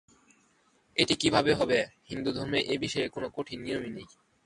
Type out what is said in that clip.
এটি কিভাবে হবে, হিন্দুধর্মে এ-বিষয়ে কোন কঠিন নিয়ম নেই।